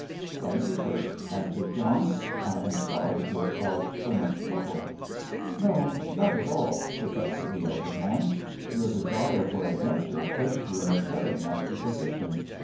"Thank you, sir," answered John. "I am sorry to have caused so much trouble." "No, not at all," protested the elder man. "Your desire for adventure placed you in a very nasty position.